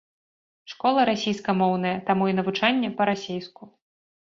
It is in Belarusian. Школа расейскамоўная, таму і навучанне па-расейску.